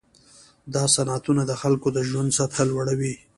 دا صنعتونه د خلکو د ژوند سطحه لوړوي.